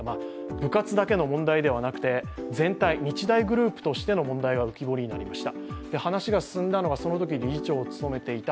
部活だけの問題だけではなくて全体、日大グループとしての問題が浮き彫りになりました。